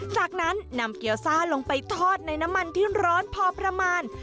จากนั้นนำเกี๊ยซ่าลงไปทอดในน้ำมันที่ร้อนพอประมาณ